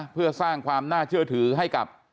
เพื่อสร้างความน่าเชื่อถือให้กับ